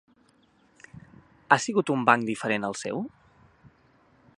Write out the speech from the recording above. Ha sigut a un banc diferent al seu?